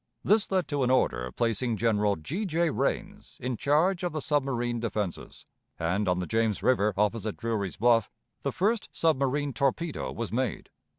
This led to an order placing General G. J. Rains in charge of the submarine defenses; and, on the James River opposite Drewry's Bluff, the first submarine torpedo was made.